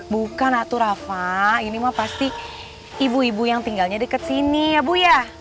bukan naturafah ini mah pasti ibu ibu yang tinggalnya dekat sini ya bu ya